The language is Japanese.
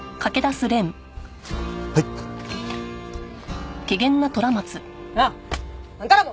はい！あんたらも！